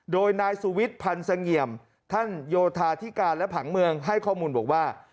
โดยนายสุวิทย์พันธ์เสงี่ยมท่านโยธาธิการและผังเมืองให้ข้อมูลบอกว่า